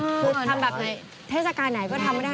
คือทำแบบไหนเทศกาลไหนก็ทำไม่ได้